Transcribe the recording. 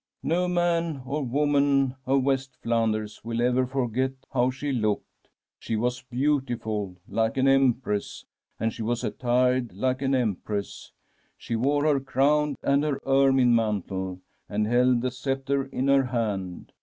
*" No man or woman of West Flanders will ever forget how she looked. She was beautiful, like an Empress, and she was attired like an Em press. She wore her crown and her ermine man tle, and held the sceptre in her hand.